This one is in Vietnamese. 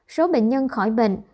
số bệnh nhân khỏi bệnh